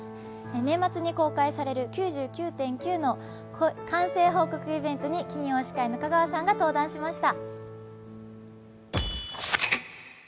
年末に公開される「９９．９」の完成報告イベントに金曜司会の香川さんが登壇しました。